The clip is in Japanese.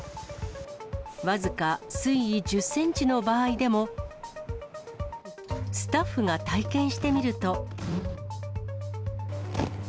僅か水位１０センチの場合でも、スタッフが体験してみると。